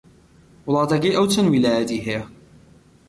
وڵاتەکەی ئەو چەند ویلایەتی هەیە؟